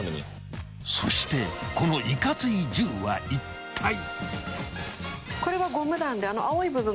［そしてこのいかつい銃はいったい］